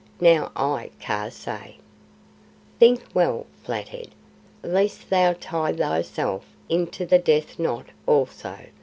Now I, Kaa, say " "Think well, Flathead, lest thou tie thyself into the death knot also.